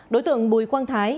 đối tượng bùi quang thái